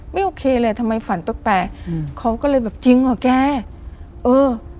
ไม่โอเคเลยทำไมฝันแปลกแปลกอืมเขาก็เลยแบบจริงเหรอแกเออ